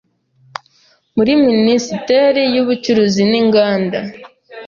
muri Minisiteri y’Ubucuruzi n’Inganda